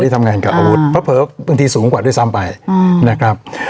คนที่ทำงานกับอาวุธเพราะเผลอบางทีสูงกว่าด้วยซ้ำไปอืมนะครับ